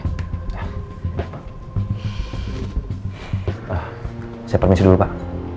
pak saya permisi dulu pak